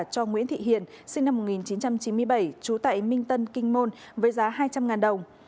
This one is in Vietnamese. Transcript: cho nguyễn thị hiền sinh năm một nghìn chín trăm chín mươi bảy trú tại minh tân kinh môn với giá hai trăm linh đồng